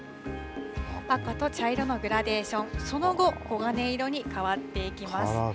赤と茶色のグラデーション、その後、黄金色に変わっていきます。